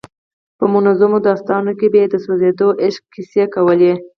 په منظومو داستانونو کې به یې د سوځېدونکي عشق کیسې کولې.